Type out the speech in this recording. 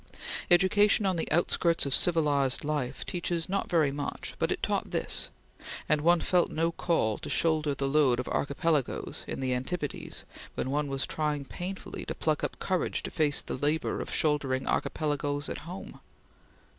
Education on the outskirts of civilized life teaches not very much, but it taught this; and one felt no call to shoulder the load of archipelagoes in the antipodes when one was trying painfully to pluck up courage to face the labor of shouldering archipelagoes at home.